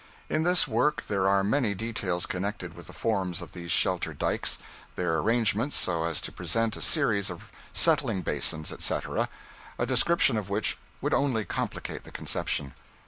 In this work there are many details connected with the forms of these shelter dykes, their arrangements so as to present a series of settling basins, etc., a description of which would only complicate the conception.